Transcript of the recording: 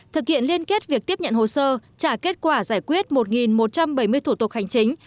thực hiện liên kết việc tiếp nhận hồ sơ trả kết quả giải quyết một một trăm bảy mươi thủ tục hành chính